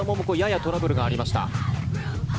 ややトラブルがありました。